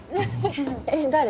えっ誰？